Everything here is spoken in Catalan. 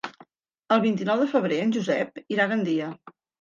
El vint-i-nou de febrer en Josep irà a Gandia.